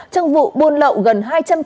trong vụ buôn lậu gần hai triệu đồng